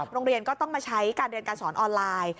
โรงเรียนก็ต้องมาใช้การเรียนการสอนออนไลน์